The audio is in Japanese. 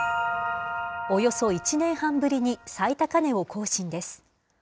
およそ１年半ぶりに、最高値を更新です。